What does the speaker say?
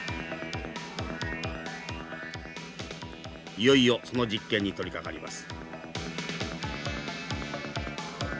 いよいよその実験に取りかかります。